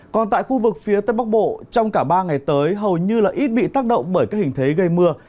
còn tại khu vực phía tây bắc bộ trong cả ba ngày tới hầu như là ít bị tác động bởi các hình thế gây mưa